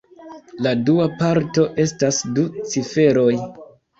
La dua parto estas du ciferoj.